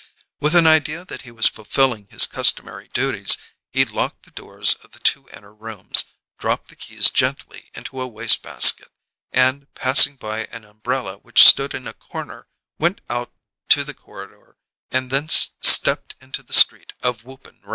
With an idea that he was fulfilling his customary duties, he locked the doors of the two inner rooms, dropped the keys gently into a wastebasket, and passing by an umbrella which stood in a corner, went out to the corridor, and thence stepped into the street of whooping rain.